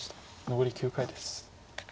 残り９回です。